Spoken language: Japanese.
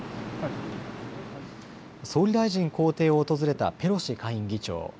総理大臣公邸を訪れたペロシ下院議長。